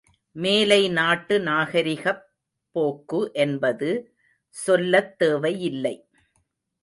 மேலை நாட்டு நாகரிகப் போக்கு என்பது சொல்லத் தேவை இல்லை.